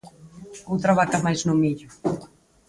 Outra vaca máis no millo.